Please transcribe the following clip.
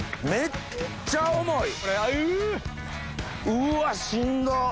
うわしんどっ。